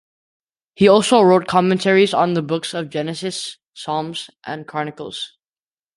He also wrote commentaries on the books of Genesis, Psalms, and Chronicles.